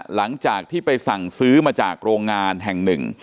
หลังจากที่ไปสั่งซื้อมาจากโรงงานแห่งหนึ่ง